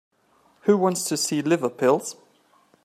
Who wants to see liver pills?